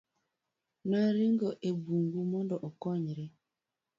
noringo e bungu mondo okonyre